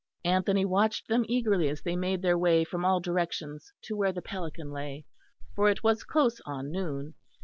Anthony watched them eagerly as they made their way from all directions to where the Pelican lay; for it was close on noon.